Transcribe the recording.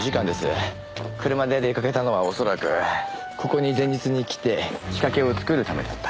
車で出掛けたのはおそらくここに前日に来て仕掛けを作るためだった。